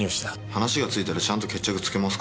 話がついたらちゃんと決着つけますから。